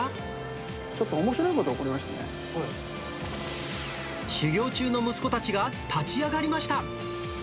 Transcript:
ちょっとおもしろいことが起修業中の息子たちが立ち上がりました。